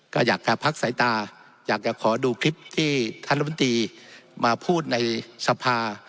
ก็อยากจะพักสายตาอยากจะขอดูคลิปที่ท่านรัฐมนตรีมาพูดในสภา